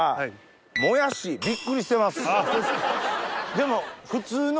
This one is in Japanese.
でも。